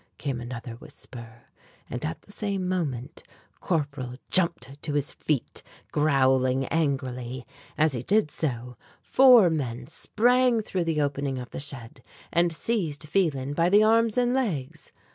came another whisper, and at the same moment Corporal jumped to his feet, growling angrily. As he did so, four men sprang through the opening of the shed, and seized Phelan by the arms and legs.